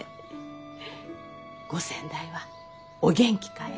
ご先代はお元気かえ？